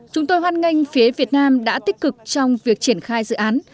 chúng tôi hoan nghênh phía việt nam đã tích cực trong việc triển khai dự án